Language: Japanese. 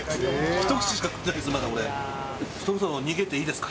ひと口しか食ってないです